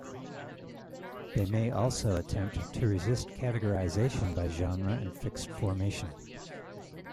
They may also attempt to resist categorization by genre and fixed formation.